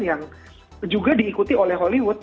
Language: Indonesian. yang juga diikuti oleh hollywood